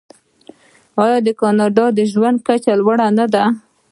آیا د کاناډا ژوند کچه لوړه نه ده؟